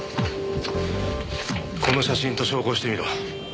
この写真と照合してみろ。